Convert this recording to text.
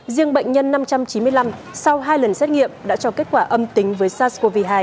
riêng bệnh nhân năm trăm chín mươi năm sau hai lần xét nghiệm đã cho kết quả âm tính với sars cov hai